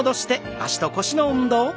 脚と腰の運動です。